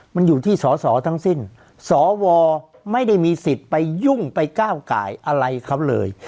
มันอยู่ที่สอสอทั้งสิ้นสวไม่ได้มีสิทธิ์ไปยุ่งไปก้าวไก่อะไรเขาเลย